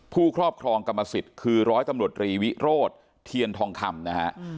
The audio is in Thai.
ผู้ครอบครองกรรมสิทธิ์คือ๑๐๐ตำรวจรีวิโรศเทียนทองคำ